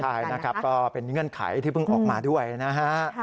ใช่นะครับก็เป็นเงื่อนไขที่เพิ่งออกมาด้วยนะฮะ